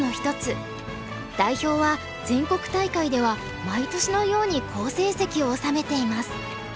代表は全国大会では毎年のように好成績を収めています。